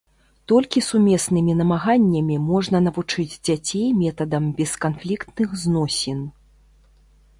Толькі сумеснымі намаганнямі можна навучыць дзяцей метадам бесканфліктных зносін.